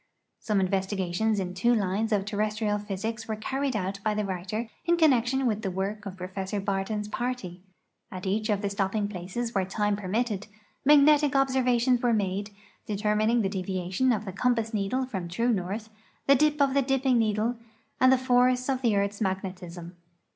Some investigations in two lines of terrestrial ])hysics were carried out by the writer in connection with the work of Pro fessor Ikirton's party. At each of the stopping jtlaces where time permitted, magnetic observations were made, determining the deviation of the compass needle from true north, the dip of the dipping needle, and the force of the earth's magnetism.